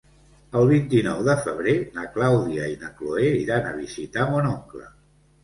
El vint-i-nou de febrer na Clàudia i na Cloè iran a visitar mon oncle.